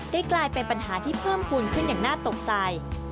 กลายเป็นปัญหาที่เพิ่มภูมิขึ้นอย่างน่าตกใจ